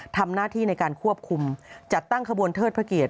ทำหน้าที่ในการควบคุมจัดตั้งขบวนเทิดพระเกียรติ